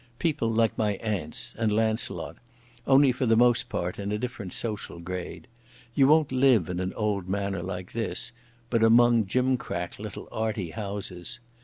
People like my aunts and Launcelot, only for the most part in a different social grade. You won't live in an old manor like this, but among gimcrack little 'arty' houses.